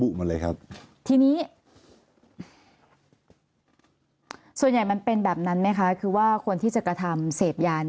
มาเลยครับทีนี้ส่วนใหญ่มันเป็นแบบนั้นไหมคะคือว่าคนที่จะกระทำเสพยา